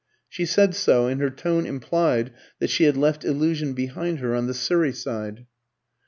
She said so, and her tone implied that she had left illusion behind her on the Surrey side.